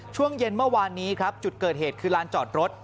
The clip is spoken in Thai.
ช่วงเย็นเมื่อวานนี้ครับจุดเกิดเหตุคือลานจอดรถ